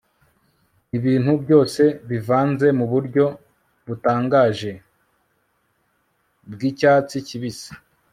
ibintu byose bivanze muburyo butangaje bwicyatsi kibisi